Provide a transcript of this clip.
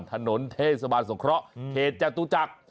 ถนนเทศบาลศคระเทศจตุจักร